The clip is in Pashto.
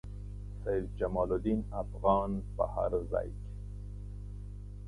سید جمال الدین افغاني په هر ځای کې.